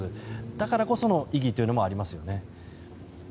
だからこその意義というのもありますよね。